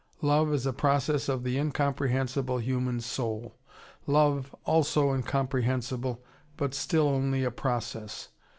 Love is a process of the incomprehensible human soul: love also incomprehensible, but still only a process.